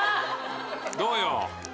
どうよ？